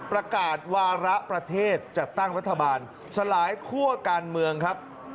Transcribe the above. ประกาศวาระประเทศจัดตั้งรัฐบาลสลายคั่วการเมืองครับ